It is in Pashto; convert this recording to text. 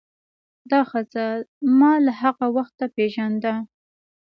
دا ښځه ما له هغه وخته پیژانده.